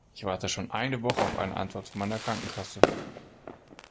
Ich warte schon eine Woche auf eine Antwort von meiner Krankenkasse.